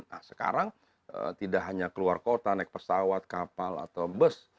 nah sekarang tidak hanya keluar kota naik pesawat kapal atau bus